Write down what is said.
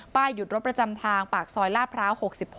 หยุดรถประจำทางปากซอยลาดพร้าว๖๖